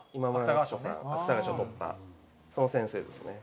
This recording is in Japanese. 芥川賞とったその先生ですね。